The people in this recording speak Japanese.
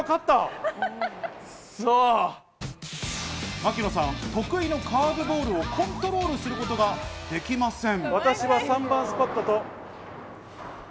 槙野さん、得意のカーブボールをコントロールすることができません。